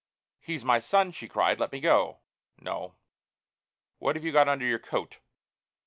"He's my son!" she cried. "Let me go!" "No! What have you got under your coat?"